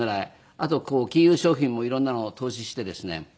あと金融商品も色んなのを投資してですね